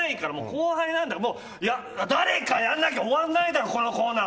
後輩なんだから誰かがやらなきゃ終わらないだろ、このコーナー。